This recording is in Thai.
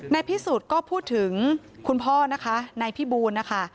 พิสูจน์ก็พูดถึงคุณพ่อนะคะนายพี่บูลนะคะ